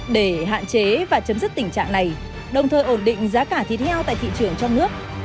để hạn chế và chấm dứt tình trạng này đồng thời ổn định giá cả thịt heo tại thị trường trong nước